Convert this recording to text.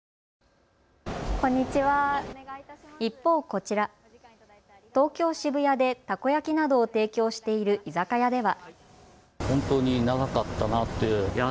一方、こちら、東京渋谷でたこ焼きなどを提供している居酒屋では。